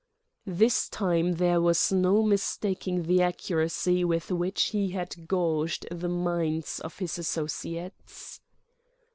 This time there was no mistaking the accuracy with which he had gauged the minds of his associates.